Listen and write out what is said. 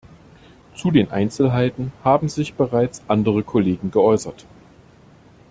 Zu den Einzelheiten haben sich bereits andere Kollegen geäußert.